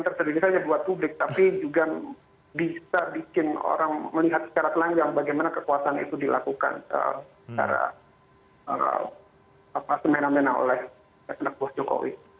tersendiri saja buat publik tapi juga bisa bikin orang melihat secara telanjang bagaimana kekuasaan itu dilakukan secara semena mena oleh anak buah jokowi